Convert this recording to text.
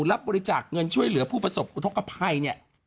รับบริจาคเงินช่วยเหลือผู้ประสบอุทธกภัยเนี่ย